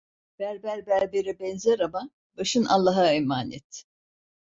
Berber berbere benzer ama, başın Allah'a emanet.